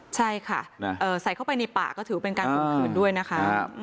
ใช่ค่ะใส่เข้าไปในป่าก็ถือเป็นการข่มขืนด้วยนะคะ